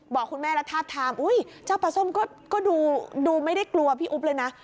บอกคุณแม่แล้วทาบทามเจ้าปลาส้มก็ดูไม่ได้กลัวพี่อุ๊บเลยนะ